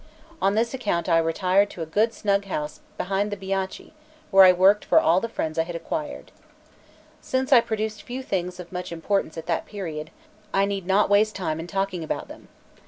On this account I retired to a good snug house behind the Banchi, where I worked for all the friends I had acquired. Since I produced few things of much importance at that period, I need not waste time in talking about them.